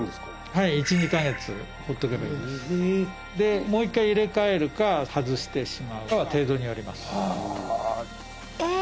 はい１２カ月放っておけばいいですでもう一回入れ替えるか外してしまうかは程度によりますえ！